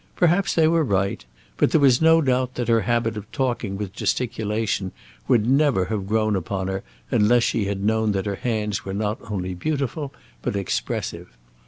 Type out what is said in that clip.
Perhaps they were right; but there was no doubt that her habit of talking with gesticulation would never have grown upon her unless she had known that her hands were not only beautiful but expressive.